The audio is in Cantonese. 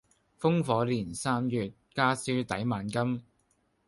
烽火連三月，家書抵萬金。